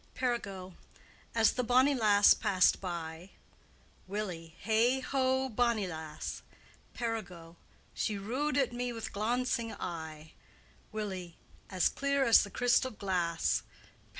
"Perigot. As the bonny lasse passed by, Willie. Hey, ho, bonnilasse! P. She roode at me with glauncing eye, W. As clear as the crystal glasse. P.